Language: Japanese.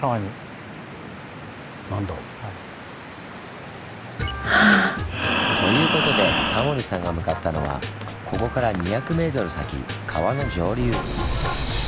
何だろう？ということでタモリさんが向かったのはここから２００ｍ先川の上流。